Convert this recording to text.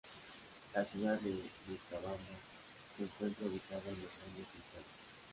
La ciudad de Vilcabamba se encuentra ubicada en los Andes Centrales.